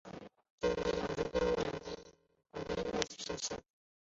九月两军在五原一带的黄河隔岸对峙。